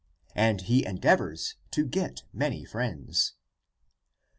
And he endeavors to get many friends.